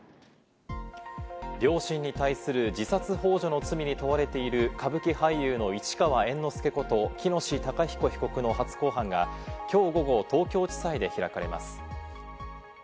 両親に対する自殺ほう助の罪に問われている歌舞伎俳優の市川猿之助こと、喜熨斗孝彦被告の初公判がきょう午後、東京地裁で開かれます。